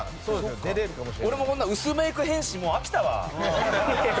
俺も薄メイク変身、飽きたわ。